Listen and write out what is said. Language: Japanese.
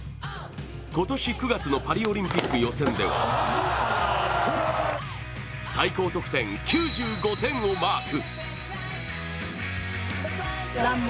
今年９月のパリオリンピック予選では、最高得点、９５点をマーク。